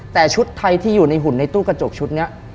แต่ชุดไทยที่อยู่ในหุ่นในตู้กระจกชุดนี้